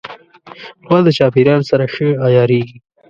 غوا د چاپېریال سره ښه عیارېږي.